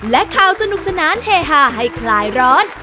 และข่าวสนุกสนานเฮฮาให้คลายร้อน